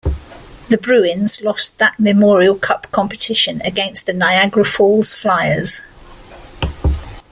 The Bruins lost that Memorial Cup competition against the Niagara Falls Flyers.